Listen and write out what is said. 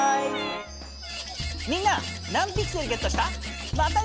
みんな何ピクセルゲットした？